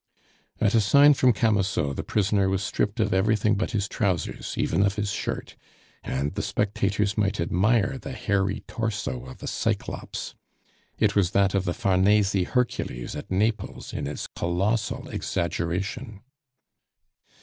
At a sign from Camusot the prisoner was stripped of everything but his trousers, even of his shirt, and the spectators might admire the hairy torso of a Cyclops. It was that of the Farnese Hercules at Naples in its colossal exaggeration.